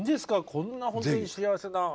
こんな本当に幸せな。